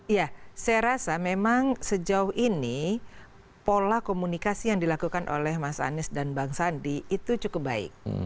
ya saya rasa memang sejauh ini pola komunikasi yang dilakukan oleh mas anies dan bang sandi itu cukup baik